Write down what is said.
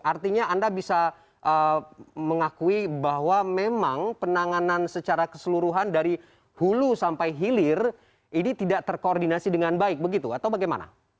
artinya anda bisa mengakui bahwa memang penanganan secara keseluruhan dari hulu sampai hilir ini tidak terkoordinasi dengan baik begitu atau bagaimana